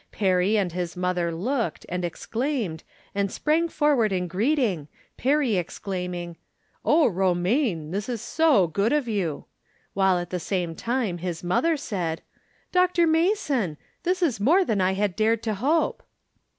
Perry and his mother looked, and exclaimed, and sprang forward in greeting, Perry exclaiming :" Oh, Romaine, this is so good of you !" While at the same time, his mother said :" Dr. Mason ! This is more than I had dared to hope."